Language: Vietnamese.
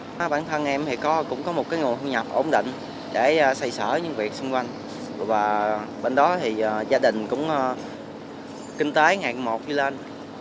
đặc trưng ở bên quê hương của em bản thân em cũng có một nguồn hương nhập ổn định để xây sở những việc xung quanh và bên đó gia đình cũng kinh tế ngạc mộ đi lên